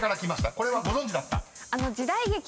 これはご存じだった？］